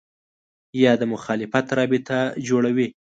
یا د مخالفت رابطه جوړوي